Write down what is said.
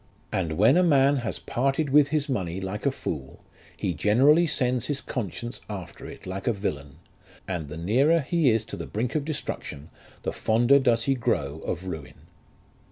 And when a man has parted with his money like a fool, he generally sends his conscience after it like a villain, and the nearer he is to the brink of destruction, the fonder does he grow of ruin.